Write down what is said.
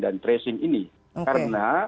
dan tracing ini karena